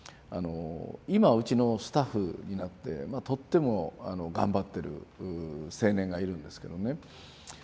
今うちのスタッフになってとっても頑張ってる青年がいるんですけどね